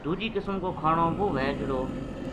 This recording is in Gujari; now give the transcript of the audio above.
دُوجی قسم کو کھانو وہ وھے جہڑو